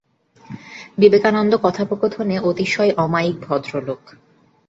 বিবে কানন্দ কথোপকথনে অতিশয় অমায়িক ভদ্রলোক।